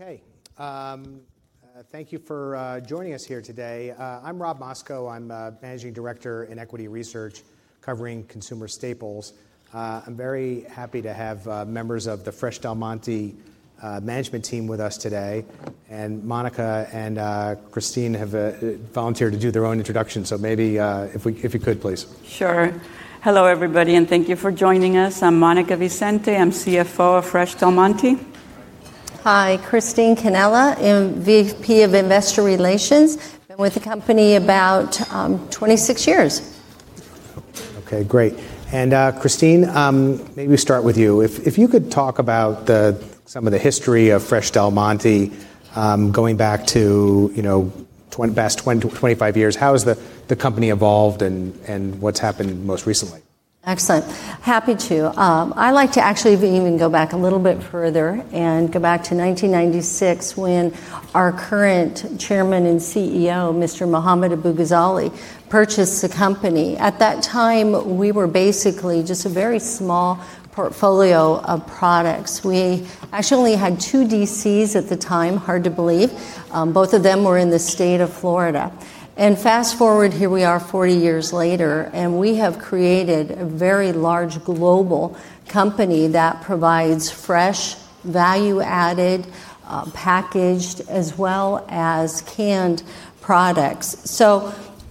Okay. Thank you for joining us here today. I'm Rob Moskow. I'm a managing director in equity research covering consumer staples. I'm very happy to have members of the Fresh Del Monte management team with us today. Monica and Christine have volunteered to do their own introduction, so maybe if you could, please. Sure. Hello, everybody, and thank you for joining us. I'm Monica Vicente. I'm CFO of Fresh Del Monte. Hi. Christine Cannella, VP of Investor Relations. Been with the company about 26 years. Okay, great. Christine, maybe we start with you. If you could talk about some of the history of Fresh Del Monte, going back to the past 20, 25 years. How has the company evolved, and what's happened most recently? Excellent. Happy to. I like to actually even go back a little bit further and go back to 1996 when our current Chairman and CEO, Mr. Mohammad Abu-Ghazaleh, purchased the company. At that time, we were basically just a very small portfolio of products. We actually only had two DCs at the time, hard to believe. Both of them were in the state of Florida. Fast-forward, here we are 40 years later, and we have created a very large global company that provides fresh, value-added, packaged, as well as canned products.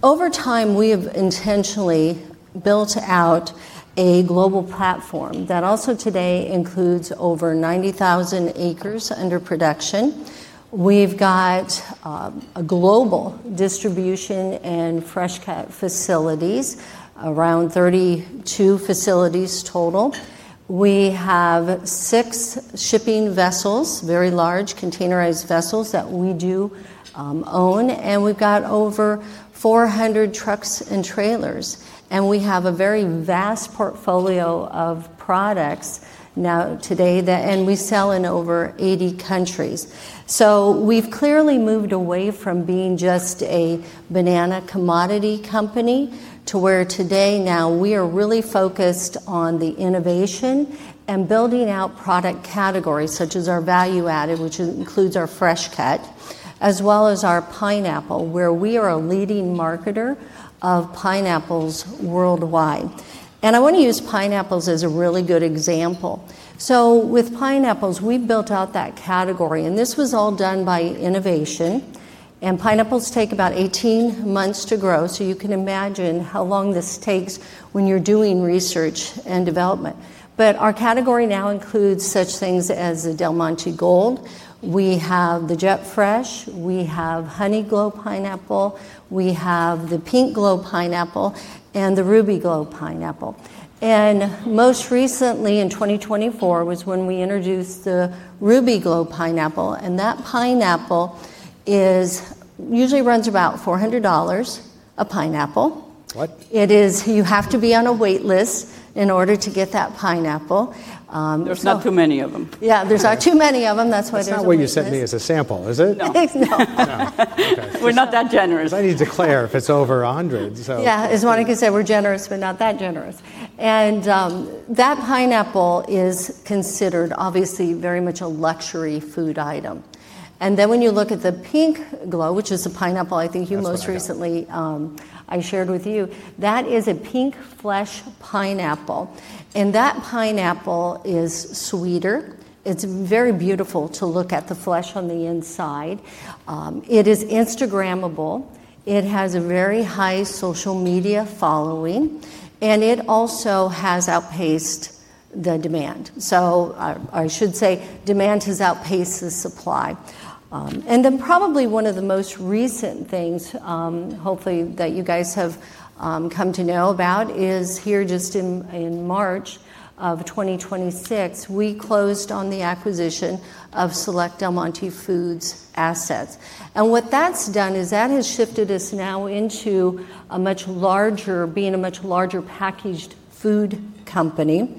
Over time, we have intentionally built out a global platform that also today includes over 90,000 acres under production. We've got global distribution and fresh cut facilities, around 32 facilities total. We have six shipping vessels, very large containerized vessels that we do own, and we've got over 400 trucks and trailers. We have a very vast portfolio of products now today, and we sell in over 80 countries. We've clearly moved away from being just a banana commodity company to where today now we are really focused on the innovation and building out product categories, such as our value-added, which includes our fresh cut, as well as our pineapple, where we are a leading marketer of pineapples worldwide. I want to use pineapples as a really good example. With pineapples, we built out that category, and this was all done by innovation, and pineapples take about 18 months to grow, so you can imagine how long this takes when you're doing research and development. Our category now includes such things as the Del Monte Gold. We have the Jet Fresh. We have Honeyglow pineapple. We have the Pinkglow pineapple and the Rubyglow pineapple. Most recently, in 2024, was when we introduced the Rubyglow pineapple, and that pineapple usually runs about $400 a pineapple. What? It is. You have to be on a wait list in order to get that pineapple. There's not too many of them. Yeah, there's not too many of them. That's why there's a wait list. That's not what you sent me as a sample, is it? It is not. No. No. Okay. We're not that generous. I need to declare if it's over $100. Yeah. As Monica said, we're generous, but not that generous. That pineapple is considered, obviously, very much a luxury food item. When you look at the Pinkglow, which is a pineapple... That's what I got. I think most recently, I shared with you. That is a pink flesh pineapple, and that pineapple is sweeter. It's very beautiful to look at the flesh on the inside. It is Instagrammable. It has a very high social media following. It also has outpaced the demand. I should say demand has outpaced the supply. Probably one of the most recent things, hopefully, that you guys have come to know about is here, just in March of 2026, we closed on the acquisition of select Del Monte Foods assets. What that's done is that has shifted us now into being a much larger packaged food company.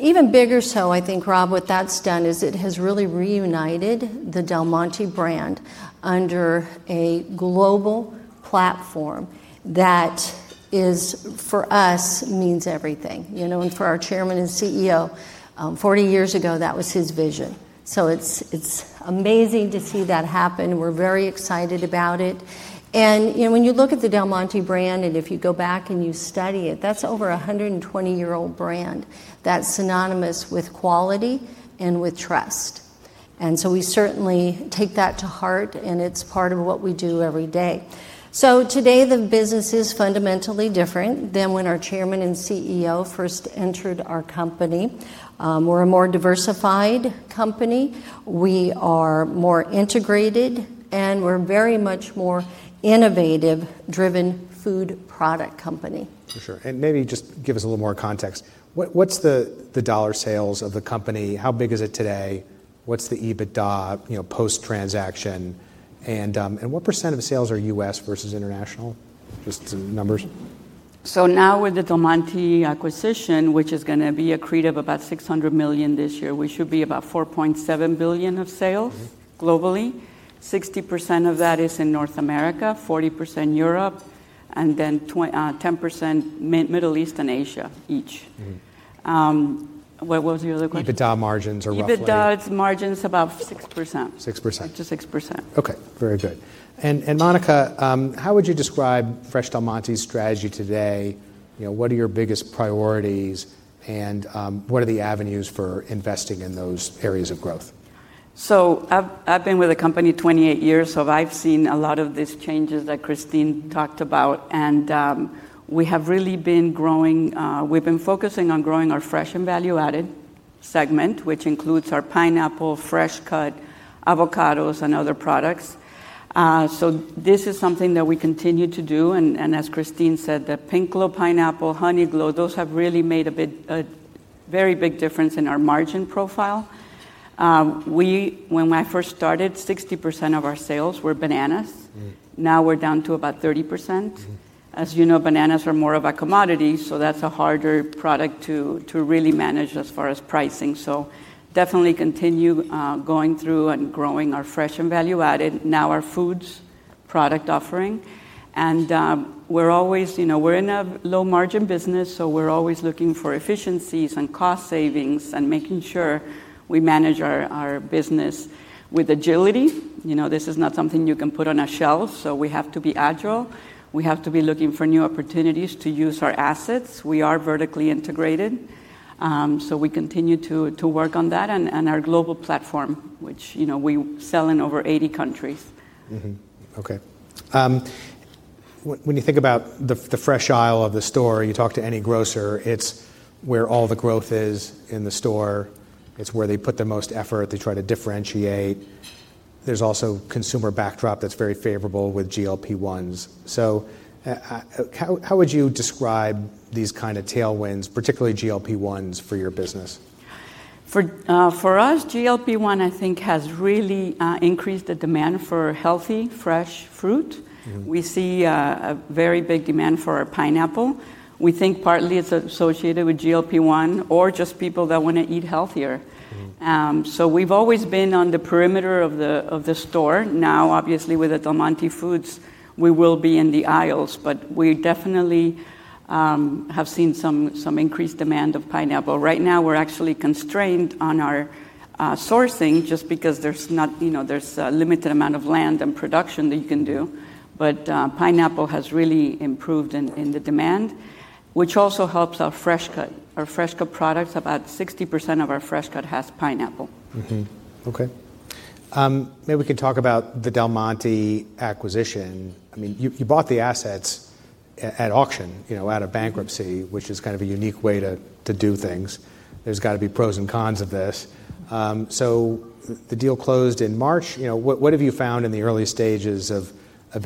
Even bigger so, I think, Rob, what that's done is it has really reunited the Del Monte brand under a global platform that for us means everything. For our Chairman and CEO, 40 years ago, that was his vision, so it's amazing to see that happen. We're very excited about it. When you look at the Del Monte brand, and if you go back and you study it, that's over 120-year-old brand that's synonymous with quality and with trust. We certainly take that to heart, and it's part of what we do every day. Today, the business is fundamentally different than when our Chairman and CEO first entered our company. We're a more diversified company. We are more integrated, and we're a very much more innovative-driven food product company. For sure. Maybe just give us a little more context. What's the dollar sales of the company? How big is it today? What's the EBITDA post-transaction? What percent of sales are U.S. versus international? Just some numbers. Now with the Del Monte acquisition, which is going to be accretive, about $600 million this year, we should be about $4.7 billion of sales globally. 60% of that is in North America, 40% Europe. And then 10% Middle East and Asia each. What was your other question? EBITDA margins are roughly? EBITDA margin is about 6%. 6%. Up to 6%. Okay. Very good. Monica, how would you describe Fresh Del Monte's strategy today? What are your biggest priorities, and what are the avenues for investing in those areas of growth? I've been with the company 28 years, I've seen a lot of these changes that Christine talked about, and we have really been growing. We've been focusing on growing our fresh and value-added segment, which includes our pineapple, fresh cut avocados, and other products. This is something that we continue to do, and as Christine said, the Pinkglow pineapple, Honeyglow, those have really made a very big difference in our margin profile. When I first started, 60% of our sales were bananas. Now we're down to about 30%. As you know, bananas are more of a commodity, so that's a harder product to really manage as far as pricing. Definitely continue going through and growing our fresh and value-added, now our foods product offering. We're in a low margin business, so we're always looking for efficiencies and cost savings and making sure we manage our business with agility. This is not something you can put on a shelf, so we have to be agile. We have to be looking for new opportunities to use our assets. We are vertically integrated, so we continue to work on that in our global platform, which we sell in over 80 countries. Okay. When you think about the fresh aisle of the store, you talk to any grocer, it's where all the growth is in the store. It's where they put the most effort. They try to differentiate. There's also consumer backdrop that's very favorable with GLP-1s. How would you describe these kind of tailwinds, particularly GLP-1s, for your business? For us, GLP-1, I think, has really increased the demand for healthy, fresh fruit. We see a very big demand for our pineapple. We think partly it's associated with GLP-1 or just people that want to eat healthier. We've always been on the perimeter of the store. Now, obviously, with the Del Monte Foods, we will be in the aisles. We definitely have seen some increased demand of pineapple. Right now, we're actually constrained on our sourcing, just because there's a limited amount of land and production that you can do. Pineapple has really improved in the demand, which also helps our fresh-cut products. About 60% of our fresh-cut has pineapple. Okay. Maybe we can talk about the Del Monte acquisition. You bought the assets at auction, out of bankruptcy, which is kind of a unique way to do things. There's got to be pros and cons of this. The deal closed in March. What have you found in the early stages of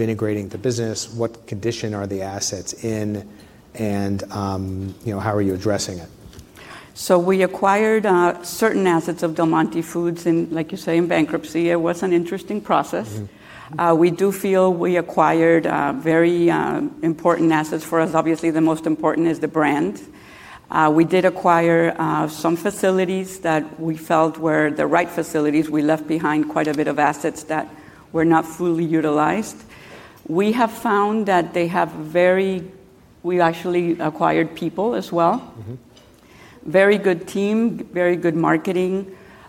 integrating the business? What condition are the assets in, and how are you addressing it? We acquired certain assets of Del Monte Foods in, like you say, in bankruptcy. It was an interesting process. We do feel we acquired very important assets. For us, obviously, the most important is the brand. We did acquire some facilities that we felt were the right facilities. We left behind quite a bit of assets that were not fully utilized. We actually acquired people as well. Very good team, very good marketing.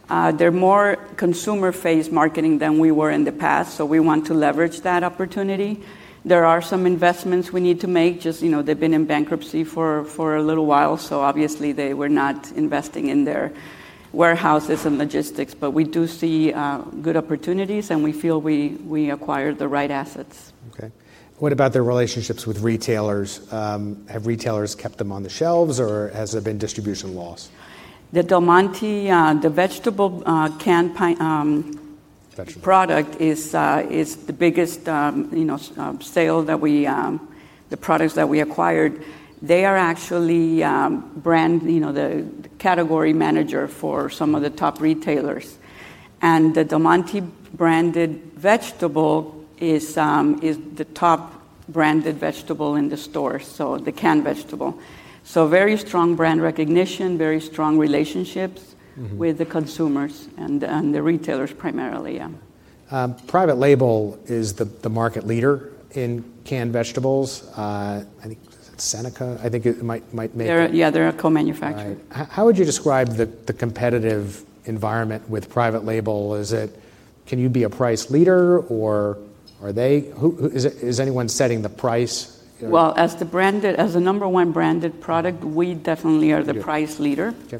They're more consumer-faced marketing than we were in the past, so we want to leverage that opportunity. There are some investments we need to make, just they've been in bankruptcy for a little while, so obviously they were not investing in their warehouses and logistics. We do see good opportunities, and we feel we acquired the right assets. Okay. What about their relationships with retailers? Have retailers kept them on the shelves, or has there been distribution loss? The Del Monte, the vegetable canned product is the biggest sale. The products that we acquired, they are actually the category manager for some of the top retailers. The Del Monte branded vegetable is the top branded vegetable in the store, so the canned vegetable. Very strong brand recognition, very strong relationships with the consumers and the retailers primarily, yeah. Private label is the market leader in canned vegetables. I think Seneca. Yeah, they're a co-manufacturer. How would you describe the competitive environment with private label? Can you be a price leader, or are they? Is anyone setting the price? Well, as the number one branded product, we definitely are the price leader. Okay.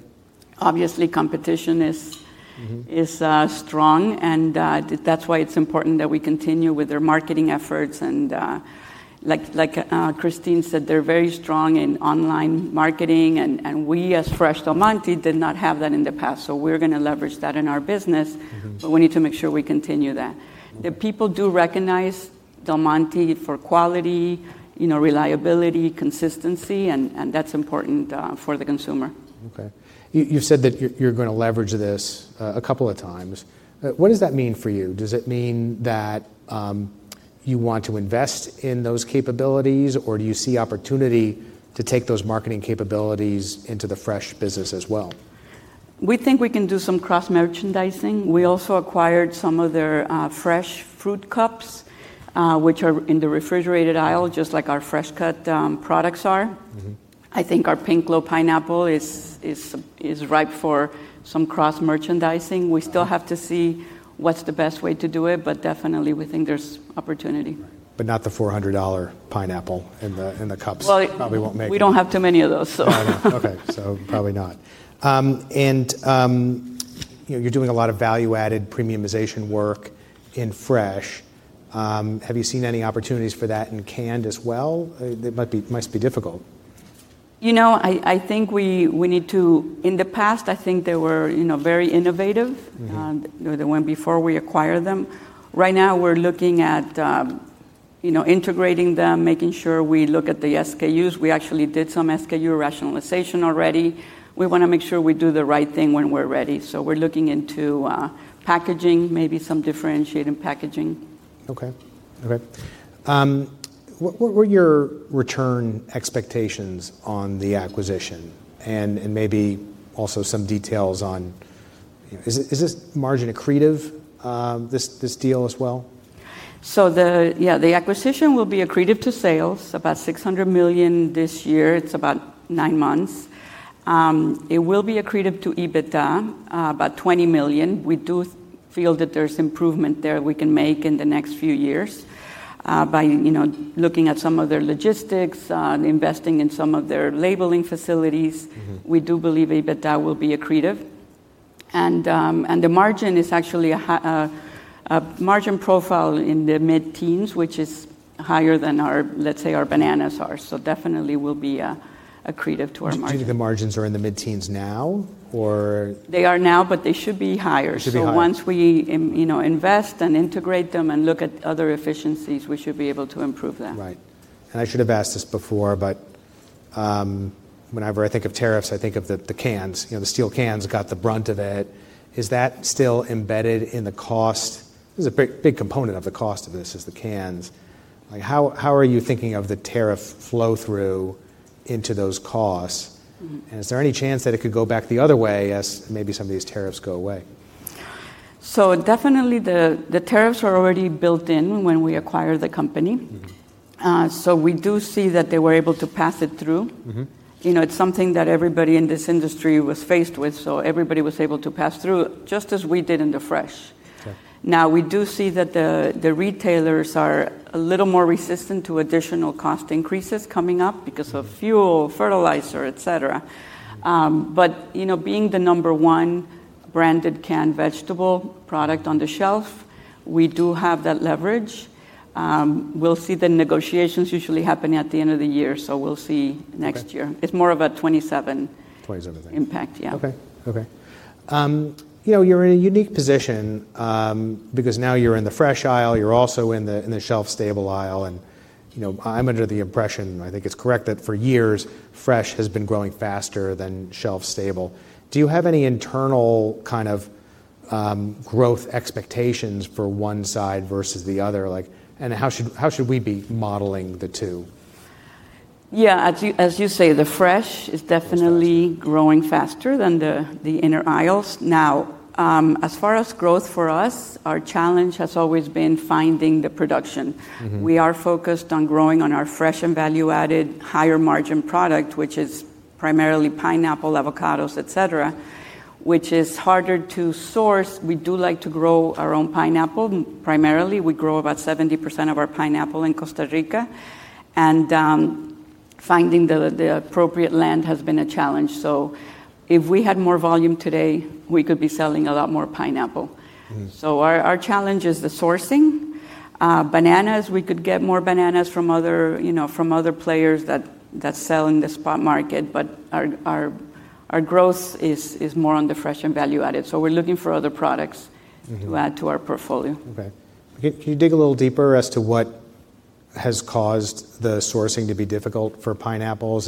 Obviously, competition is strong. That's why it's important that we continue with their marketing efforts. Like Christine said, they're very strong in online marketing, and we, as Fresh Del Monte, did not have that in the past. We're going to leverage that in our business. We need to make sure we continue that. The people do recognize Del Monte for quality, reliability, consistency, and that's important for the consumer. Okay. You've said that you're going to leverage this a couple of times. What does that mean for you? Does it mean that you want to invest in those capabilities, or do you see opportunity to take those marketing capabilities into the fresh business as well? We think we can do some cross-merchandising. We also acquired some of their fresh fruit cups, which are in the refrigerated aisle, just like our fresh cut products are. I think our Pinkglow pineapple is ripe for some cross-merchandising. We still have to see what's the best way to do it, but definitely, we think there's opportunity. But not the $400 pineapple in the cups. Well- Probably won't make it. We don't have too many of those. Oh, no. Okay. Probably not. You're doing a lot of value-added premiumization work in fresh. Have you seen any opportunities for that in canned as well? It must be difficult. In the past, I think they were very innovative. The one before we acquired them. Right now we're looking at integrating them, making sure we look at the SKUs. We actually did some SKU rationalization already. We want to make sure we do the right thing when we're ready. We're looking into packaging, maybe some differentiating packaging. Okay. What were your return expectations on the acquisition and maybe also some details on, is this margin accretive, this deal as well? The acquisition will be accretive to sales, about $600 million this year. It's about nine months. It will be accretive to EBITDA, about $20 million. We do feel that there's improvement there we can make in the next few years, by looking at some of their logistics, investing in some of their labeling facilities. We do believe EBITDA will be accretive, and the margin is actually a margin profile in the mid-teens, which is higher than, let's say, our bananas are. Definitely will be accretive to our margin. Do you think the margins are in the mid-teens now, or? They are now, but they should be higher. It should be higher. Once we invest and integrate them and look at other efficiencies, we should be able to improve that. Right. I should have asked this before, but whenever I think of tariffs, I think of the cans. The steel cans got the brunt of it. Is that still embedded in the cost? It was a big component of the cost of this, is the cans. How are you thinking of the tariff flow-through into those costs? Is there any chance that it could go back the other way, as maybe some of these tariffs go away? Definitely, the tariffs were already built in when we acquired the company. We do see that they were able to pass it through. It's something that everybody in this industry was faced with, so everybody was able to pass through, just as we did into fresh. Okay. Now, we do see that the retailers are a little more resistant to additional cost increases coming up because of fuel, fertilizer, et cetera. Being the number one branded canned vegetable product on the shelf, we do have that leverage. We'll see the negotiations usually happen at the end of the year, we'll see next year. Okay. It's more of a 2027- 2027 thing Impact. Yeah. Okay. You're in a unique position, because now you're in the fresh aisle, you're also in the shelf stable aisle, and I'm under the impression, I think it's correct, that for years fresh has been growing faster than shelf stable. Do you have any internal growth expectations for one side versus the other? Like, how should we be modeling the two? Yeah. As you say, Fresh growing faster than the inner aisles. As far as growth for us, our challenge has always been finding the production. We are focused on growing on our fresh and value-added higher margin product, which is primarily pineapple, avocados, et cetera, which is harder to source. We do like to grow our own pineapple. Primarily, we grow about 70% of our pineapple in Costa Rica, and finding the appropriate land has been a challenge. If we had more volume today, we could be selling a lot more pineapple. Our challenge is the sourcing. Bananas, we could get more bananas from other players that sell in the spot market, but our growth is more on the fresh and value-added. We're looking for other products to add to our portfolio. Okay. Can you dig a little deeper as to what has caused the sourcing to be difficult for pineapples?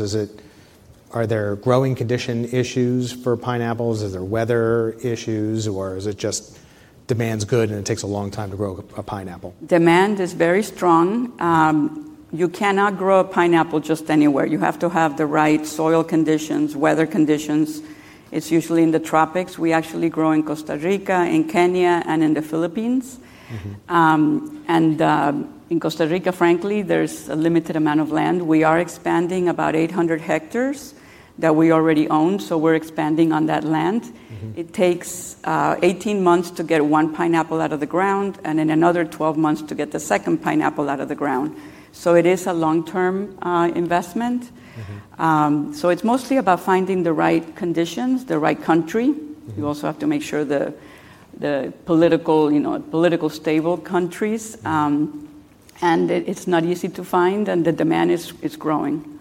Are there growing condition issues for pineapples? Is there weather issues, or is it just demand's good and it takes a long time to grow a pineapple? Demand is very strong. You cannot grow a pineapple just anywhere. You have to have the right soil conditions, weather conditions. It's usually in the tropics. We actually grow in Costa Rica, in Kenya, and in the Philippines. In Costa Rica, frankly, there's a limited amount of land. We are expanding about 800 hectares that we already own, so we're expanding on that land. It takes 18 months to get one pineapple out of the ground, and then another 12 months to get the second pineapple out of the ground. It is a long-term investment. It's mostly about finding the right conditions, the right country. You also have to make sure the political stable countries. It's not easy to find, and the demand is growing.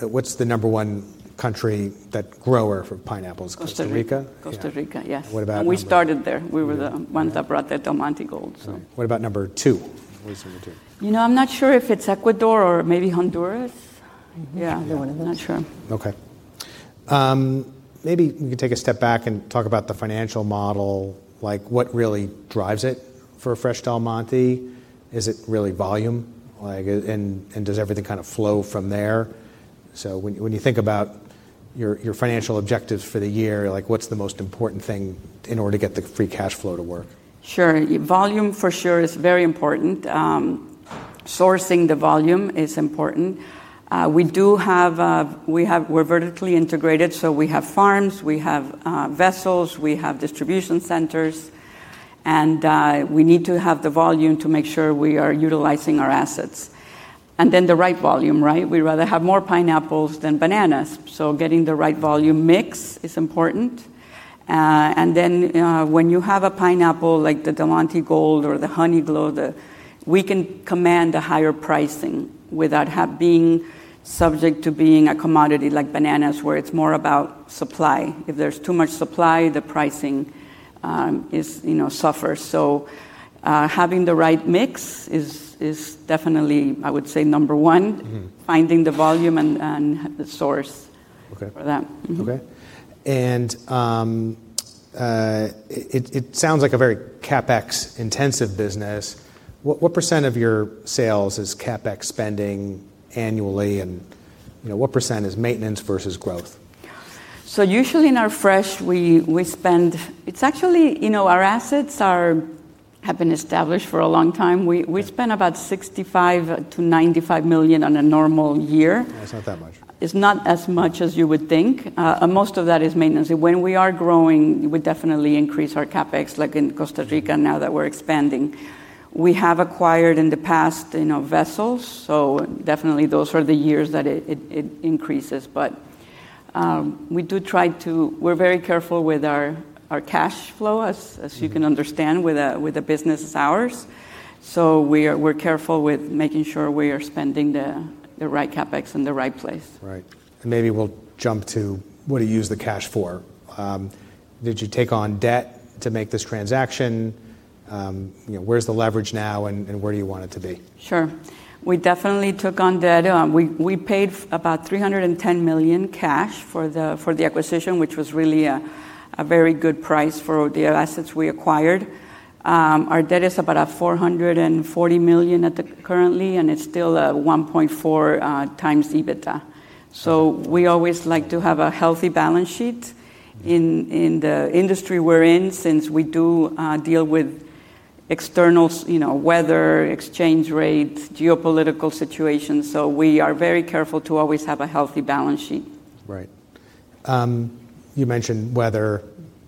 What's the number one country, that grower for pineapples? Costa Rica. Costa Rica? Costa Rica, yes. What about number- We started there. We were the ones that brought the Del Monte Gold. What about number 2? What is number 2? I'm not sure if it's Ecuador or maybe Honduras. Yeah, either one of those. I'm not sure. Okay. Maybe we can take a step back and talk about the financial model, like what really drives it. For Fresh Del Monte, is it really volume? Does everything kind of flow from there? When you think about your financial objectives for the year, what's the most important thing in order to get the free cash flow to work? Sure. Volume for sure is very important. Sourcing the volume is important. We're vertically integrated, we have farms, we have vessels, we have distribution centers, we need to have the volume to make sure we are utilizing our assets. The right volume, right? We'd rather have more pineapples than bananas, getting the right volume mix is important. When you have a pineapple, like the Del Monte Gold or the Honeyglow, we can command a higher pricing without being subject to being a commodity like bananas, where it's more about supply. If there's too much supply, the pricing suffers. Having the right mix is definitely, I would say, number one. Finding the volume and the source for that. Mm-hmm. Okay. It sounds like a very CapEx-intensive business. What percent of your sales is CapEx spending annually, and what percent is maintenance versus growth? Usually in our fresh, our assets have been established for a long time. We spend about $65 million-$95 million on a normal year. It's not that much. It's not as much as you would think. Most of that is maintenance. When we are growing, we definitely increase our CapEx, like in Costa Rica, now that we're expanding. We have acquired, in the past, vessels. Definitely those are the years that it increases. We're very careful with our cash flow, as you can understand, with a business as ours. We're careful with making sure we are spending the right CapEx in the right place. Right. Maybe we'll jump to what do you use the cash for? Did you take on debt to make this transaction? Where's the leverage now, and where do you want it to be? Sure. We definitely took on debt. We paid about $310 million cash for the acquisition, which was really a very good price for the assets we acquired. Our debt is about at $440 million currently, and it's still at 1.4x EBITDA. We always like to have a healthy balance sheet in the industry we're in, since we do deal with external, weather, exchange rates, geopolitical situations, so we are very careful to always have a healthy balance sheet. Right. You mentioned weather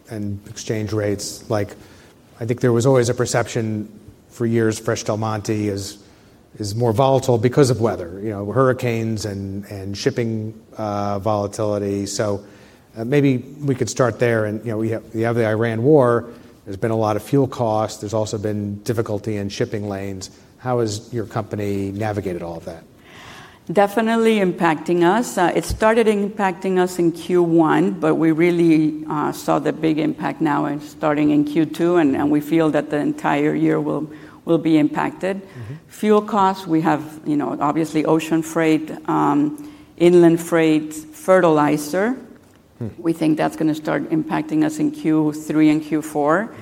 and exchange rates. I think there was always a perception for years Fresh Del Monte is more volatile because of weather, hurricanes and shipping volatility. Maybe we could start there, and you have the Iran war. There's been a lot of fuel cost. There's also been difficulty in shipping lanes. How has your company navigated all of that? Definitely impacting us. It started impacting us in Q1, but we really saw the big impact now in starting in Q2, and we feel that the entire year will be impacted. Fuel costs, we have obviously ocean freight, inland freight, fertilizer. We think that's going to start impacting us in Q3 and Q4.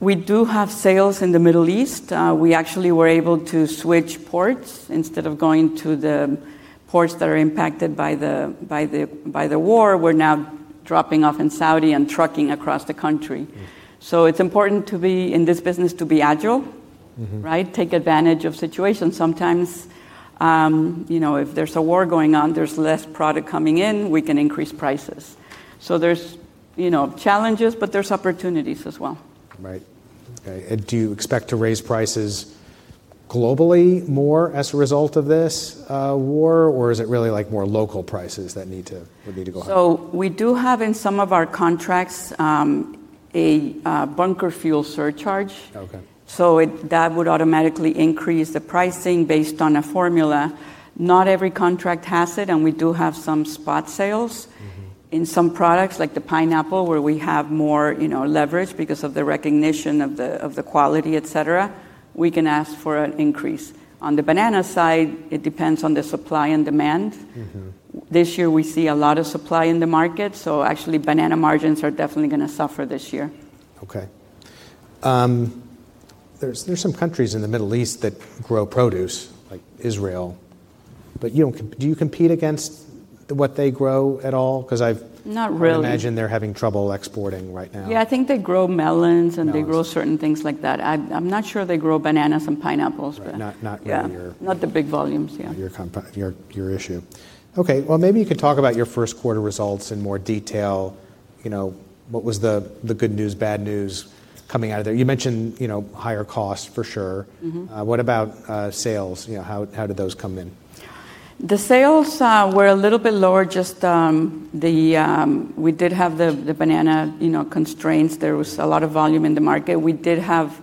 We do have sales in the Middle East. We actually were able to switch ports. Instead of going to the ports that are impacted by the war, we're now dropping off in Saudi and trucking across the country. It's important in this business to be agile. Right? Take advantage of situations. Sometimes, if there's a war going on, there's less product coming in, we can increase prices. There's challenges, but there's opportunities as well. Right. Okay. Do you expect to raise prices globally more as a result of this war, or is it really more local prices that would need to go up? We do have in some of our contracts a bunker fuel surcharge. Okay. That would automatically increase the pricing based on a formula. Not every contract has it, and we do have some spot sales in some products, like the pineapple, where we have more leverage because of the recognition of the quality, et cetera, we can ask for an increase. On the banana side, it depends on the supply and demand. This year we see a lot of supply in the market, so actually banana margins are definitely going to suffer this year. Okay. There's some countries in the Middle East that grow produce, like Israel, but do you compete against what they grow at all? Not really. I imagine they're having trouble exporting right now. Yeah, I think they grow melons and they grow certain things like that. I'm not sure they grow bananas and pineapples. Right. Not really. Not the big volumes, yeah. Not your issue. Okay, well maybe you could talk about your first quarter results in more detail. What was the good news, bad news coming out of there? You mentioned higher costs for sure. What about sales? How did those come in? The sales were a little bit lower, just we did have the banana constraints. There was a lot of volume in the market. We did have,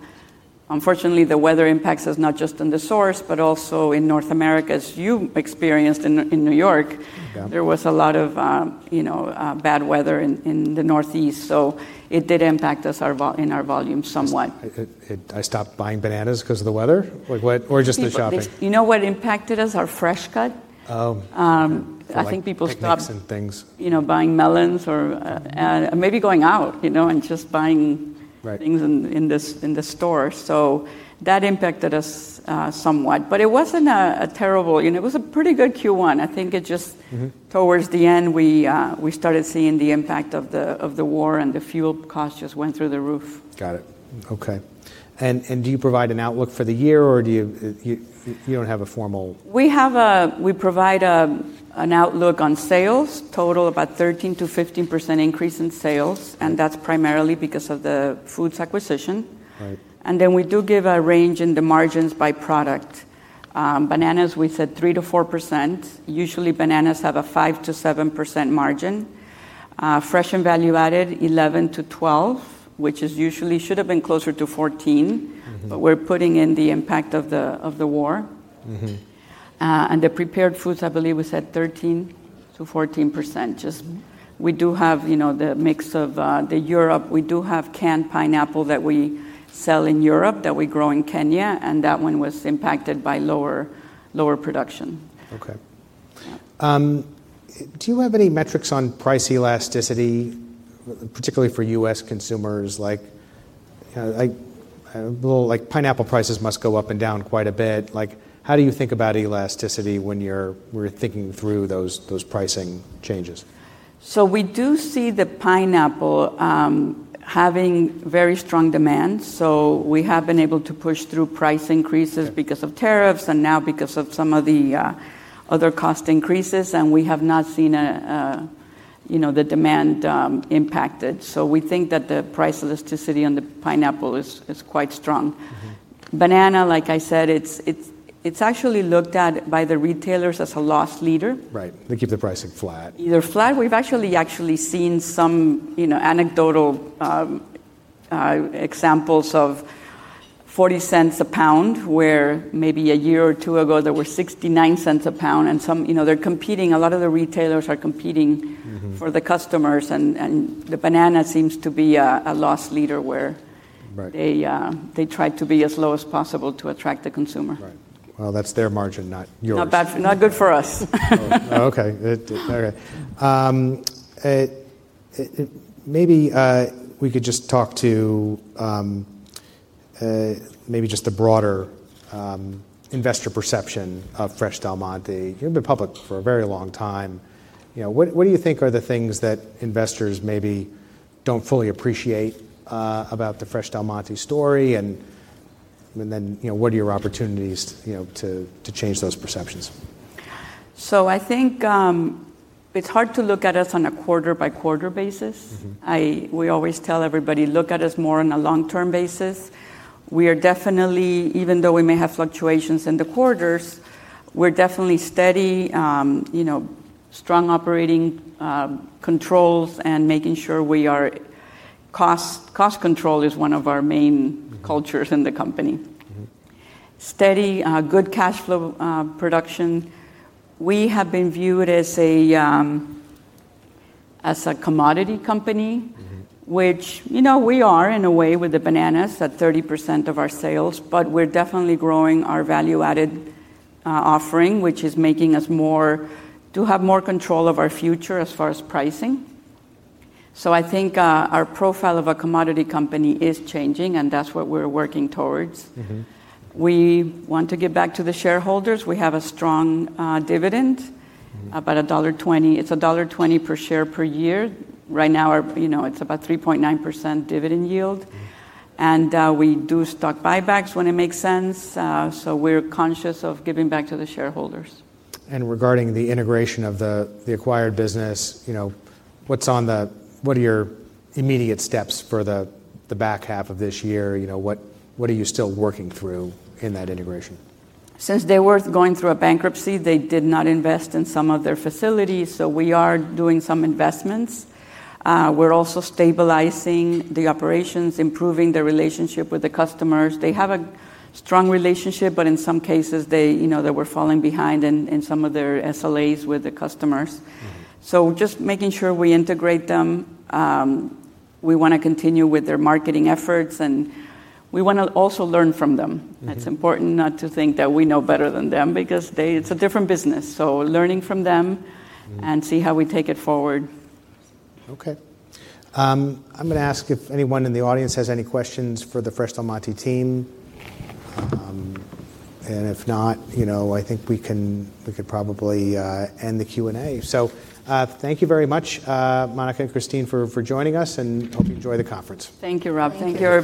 unfortunately, the weather impacts us not just in the source, but also in North America, as you experienced in New York. Yeah. There was a lot of bad weather in the Northeast, so it did impact us in our volume somewhat. I stopped buying bananas because of the weather? Or just the shopping? You know what impacted us? Our fresh cut. Oh. I think people stopped- Picnics and things. Buying melons or maybe going out, and just buying things in the store. That impacted us somewhat, but it wasn't terrible. It was a pretty good Q1. Towards the end, we started seeing the impact of the war, the fuel costs just went through the roof. Got it. Okay. Do you provide an outlook for the year? We provide an outlook on sales, total about 13%-15% increase in sales, that's primarily because of the Foods acquisition. Right. Then we do give a range in the margins by product. Bananas, we said 3%-4%. Usually, bananas have a 5%-7% margin. Fresh and value-added, 11%-12%, which usually should've been closer to 14%. We're putting in the impact of the war. The prepared foods, I believe we said 13%-14%. We do have the mix of the Europe. We do have canned pineapple that we sell in Europe that we grow in Kenya, and that one was impacted by lower production. Okay. Do you have any metrics on price elasticity, particularly for U.S. consumers? Pineapple prices must go up and down quite a bit. How do you think about elasticity when we're thinking through those pricing changes? We do see the pineapple having very strong demand, so we have been able to push through price increases because of tariffs and now because of some of the other cost increases, and we have not seen the demand impacted. We think that the price elasticity on the pineapple is quite strong. Banana, like I said, it's actually looked at by the retailers as a loss leader. Right. They keep the pricing flat. Either flat, we've actually seen some anecdotal examples of $0.40 a pound, where maybe a year or two ago, they were $0.69 a pound. They're competing, a lot of the retailers are competing for the customers, and the banana seems to be a loss leader they try to be as low as possible to attract the consumer. Right. Well, that's their margin, not yours. Not good for us. Oh, okay. All right. Maybe we could just talk to the broader investor perception of Fresh Del Monte. You've been public for a very long time. What do you think are the things that investors maybe don't fully appreciate about the Fresh Del Monte story, and then what are your opportunities to change those perceptions? I think it's hard to look at us on a quarter-by-quarter basis. We always tell everybody, "Look at us more on a long-term basis." Even though we may have fluctuations in the quarters, we're definitely steady, strong operating controls, and making sure cost control is one of our main cultures in the company. Steady, good cash flow production. We have been viewed as a commodity company which we are in a way with the bananas, at 30% of our sales. We're definitely growing our value-added offering, which is making us have more control of our future as far as pricing. I think our profile of a commodity company is changing, and that's what we're working towards. We want to give back to the shareholders. We have a strong dividend, about $1.20. It's $1.20 per share per year. Right now, it's about 3.9% dividend yield. We do stock buybacks when it makes sense. We're conscious of giving back to the shareholders. Regarding the integration of the acquired business, what are your immediate steps for the back half of this year? What are you still working through in that integration? Since they were going through a bankruptcy, they did not invest in some of their facilities. We are doing some investments. We're also stabilizing the operations, improving the relationship with the customers. They have a strong relationship, but in some cases, they were falling behind in some of their SLAs with the customers. Just making sure we integrate them. We want to continue with their marketing efforts, and we want to also learn from them. It's important not to think that we know better than them because it's a different business. Learning from them and see how we take it forward. Okay. I'm going to ask if anyone in the audience has any questions for the Fresh Del Monte team. If not, I think we could probably end the Q&A. Thank you very much, Monica and Christine, for joining us, and hope you enjoy the conference. Thank you, Rob. Thank you.